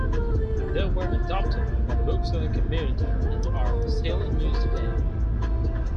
They were adopted by the bookselling community and are still in use today.